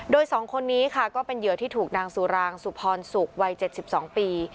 โดย๒คนนี้ค่ะก็เป็นเหยื่อที่ถูกนางสุรางสุพรศุกร์วัย๗๒ปี